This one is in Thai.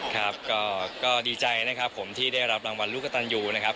ครับก็ดีใจนะครับผมที่ได้รับรางวัลลูกกระตันยูนะครับ